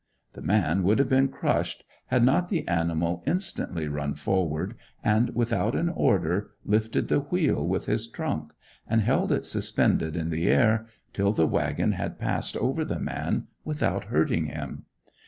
The man would have been crushed had not the animal instantly run forward, and, without an order, lifted the wheel with his trunk, and held it suspended in the air, till the wagon had passed over the man without hurting him.